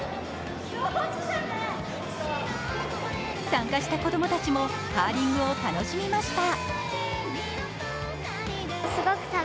参加した子供たちもカーリングを楽しみました。